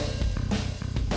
eh mbak be